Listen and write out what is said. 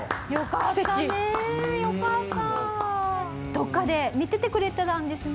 どこかで見ててくれていたんですね。